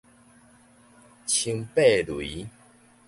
松柏癗